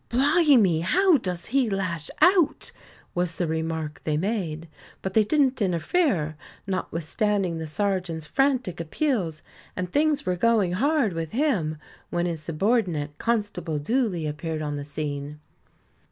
"Blimey, how does he lash out!" was the remark they made. But they didn't interfere, notwithstanding the sergeant's frantic appeals, and things were going hard with him when his subordinate, Constable Dooley, appeared on the scene.